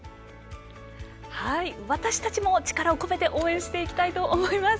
私たちも力を込めて応援していきたいと思います。